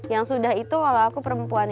yang sudah itu walaupun aku perempuan negara